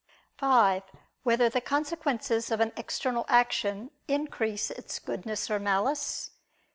(5) Whether the consequences of an external action increase its goodness or malice?